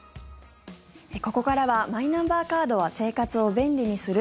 ここからはマイナンバーカードは生活を便利にする？